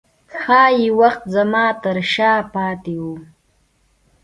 ښايي وخت زما ترشا پاته و